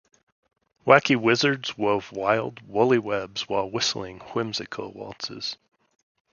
Wacky wizards wove wild, woolly webs while whistling whimsical waltzes.